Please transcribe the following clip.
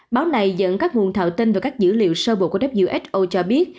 báo này dẫn các nguồn thạo tin và các dữ liệu sơ bộ của who cho biết